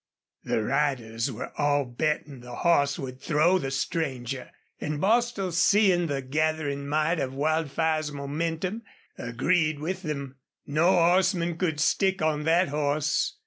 The riders were all betting the horse would throw the stranger. And Bostil, seeing the gathering might of Wildfire's momentum, agreed with them. No horseman could stick on that horse.